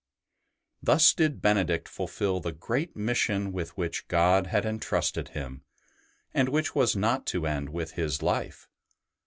Thus did Benedict fulfil the great mission with which God had entrusted him, and which was not to end with his life.